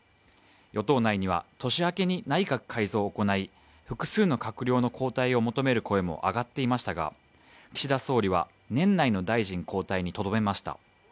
与党内には年明けに内閣改造を行い複数の閣僚の交代を求める声も上がっていましたが岸田総理は年内の大臣交代にとどめました。